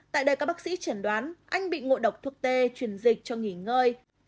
tại đây các bác sĩ chẳng đoán anh t bị ngộ độc thuốc t chuyển dịch cho nghỉ ngơi